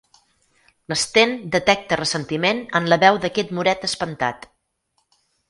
L'Sten detecta ressentiment en la veu d'aquest moret espantat.